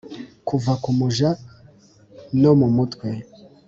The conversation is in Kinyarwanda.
kuva ku muja no mu mutwe,